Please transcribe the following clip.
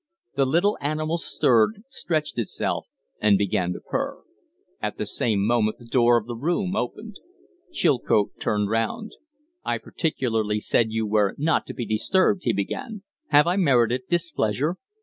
The little animal stirred, stretched itself, and began to purr. At the same moment the door of the room opened. Chilcote turned round. "I particularly said you were not to be disturbed," he began. "Have I merited displeasure?"